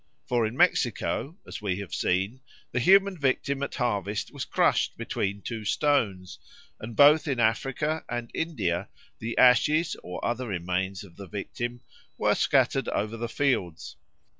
For in Mexico, as we have seen, the human victim at harvest was crushed between two stones; and both in Africa and India the ashes or other remains of the victim were scattered over the fields.